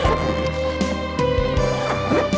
jangan lupa untuk mencoba